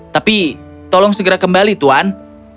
tapi tolong segera kembali tuan